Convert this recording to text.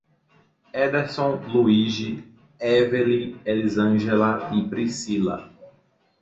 Éderson, Luigi, Eveli, Elizângela e Pricila